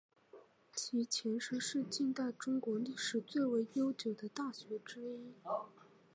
其前身是近代中国历史最为悠久的大学之一。